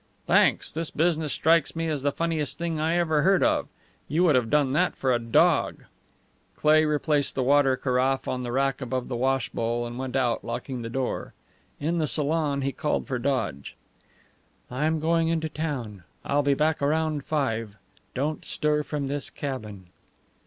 "Thanks. This business strikes me as the funniest thing I ever heard of! You would have done that for a dog." Cleigh replaced the water carafe in the rack above the wash bowl and went out, locking the door. In the salon he called for Dodge: "I am going into town. I'll be back round five. Don't stir from this cabin."